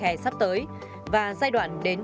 hè sắp tới và giai đoạn đến